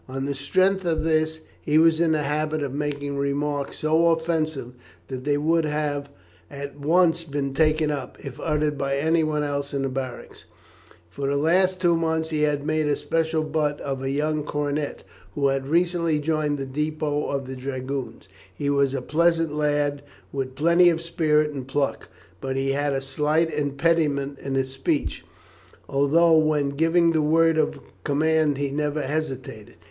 On the strength of this, he was in the habit of making remarks so offensive, that they would have at once been taken up, if uttered by anyone else in barracks. For the last two months he had made a special butt of a young cornet, who had recently joined the depôt of the Dragoons. He was a pleasant lad, with plenty of spirit and pluck, but he had a slight impediment in his speech, although when giving the word of command he never hesitated.